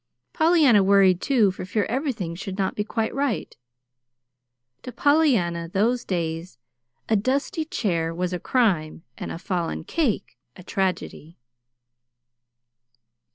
Pollyanna worried, too, for fear everything should not be quite right. To Pollyanna, those days, a dusty chair was a crime and a fallen cake a tragedy.